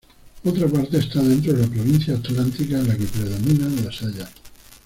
Otra parte está dentro de la provincia atlántica en la que predominan las hayas.